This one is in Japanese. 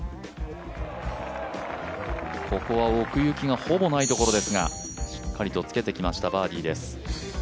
ここは奥行きがほぼないところですが、しっかりとつけてきましたバーディーです。